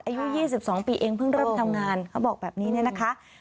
อายุ๒๒ปีเองเพิ่งเริ่มทำงานเขาบอกแบบนี้เนี่ยนะคะ